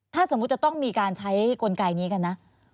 ถ้าสมมุติจะต้องมีการใช้กลไกนี้กันนะ